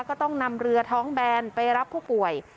ก็ต้องนำเรือท้องแบนไปรับผู้ป่วย